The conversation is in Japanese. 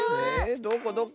どこどこ？